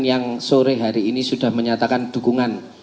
yang sore hari ini sudah menyatakan dukungan